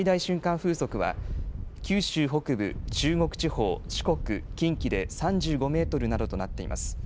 風速は九州北部、中国地方、四国、近畿で３５メートルなどとなっています。